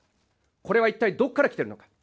これは一体どこから来ているのか。